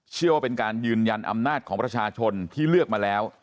เชื่อว่าเป็นการยืนยันอำนาจของประชาชนที่เลือกมาแล้ว